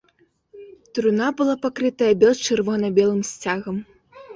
Труна была пакрытая бел-чырвона-белым сцягам.